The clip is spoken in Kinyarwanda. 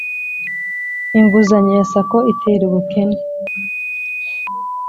inguzanyo ya sacco itera ubukene